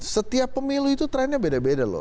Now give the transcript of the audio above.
setiap pemilu itu trennya beda beda loh